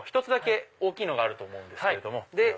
１つだけ大きいのがあると思うんですけど。